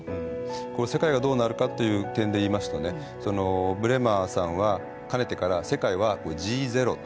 世界がどうなるかっていう点で言いますとねブレマーさんはかねてから世界は「Ｇゼロ」と。